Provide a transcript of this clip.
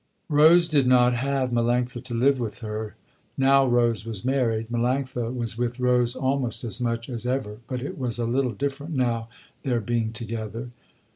Rose did not have Melanctha to live with her, now Rose was married. Melanctha was with Rose almost as much as ever but it was a little different now their being together.